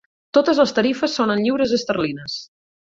Totes les tarifes són en lliures esterlines.